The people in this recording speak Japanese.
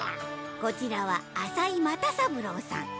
こちらは浅井又三郎さん